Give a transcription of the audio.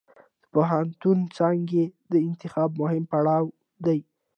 د پوهنتون څانګې د انتخاب مهم پړاو دی.